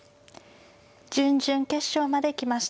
準々決勝まで来ました。